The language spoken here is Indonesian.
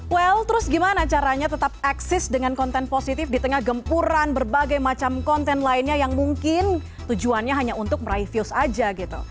well terus gimana caranya tetap eksis dengan konten positif di tengah gempuran berbagai macam konten lainnya yang mungkin tujuannya hanya untuk meraih views aja gitu